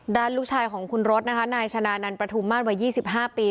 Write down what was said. ด่านลูกชายของคุณรถนะคะนายศนานันต์ประถูมาศไว้๒๕ปี